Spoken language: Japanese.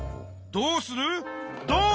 どうする！？